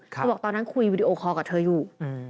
เขาบอกตอนนั้นคุยวีดีโอคอลกับเธออยู่